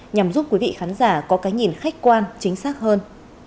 nhằm giúp quý vị khán giả có cái nhìn khách quan chính xác hơn